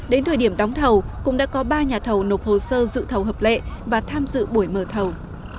đến thời điểm đóng thầu cũng đã có ba nhà thầu nộp hồ sơ dự thầu hợp lệ và tham dự buổi mở thầu